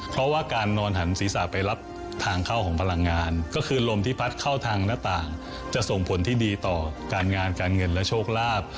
เพราะว่าการนอนหันศีรษะไปรับทางเข้าของพลังงานก็คือลมที่พัดเข้าทางหน้าต่างจะส่งผลที่ดีต่อการงานการเงินและโชคลาภ